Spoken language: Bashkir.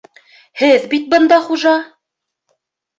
Һеҙ бит бында хужа.